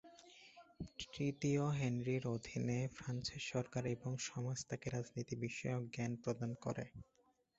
তৃতীয় হেনরির অধীনে ফ্রান্সের সরকার এবং সমাজ তাকে রাজনীতি বিষয়ক জ্ঞান প্রদান করে।